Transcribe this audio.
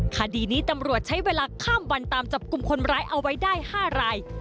คดีนี้ตำรวจใช้เวลาข้ามวันตามจับกลุ่มคนร้ายเอาไว้ได้๕ราย